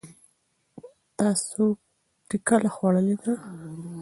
تاسې ټکله خوړلې ده؟